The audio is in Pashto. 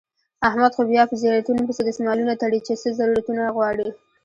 احمد خو بیا په زیارتونو پسې دسمالونه تړي چې څه ضرورتو نه غواړي.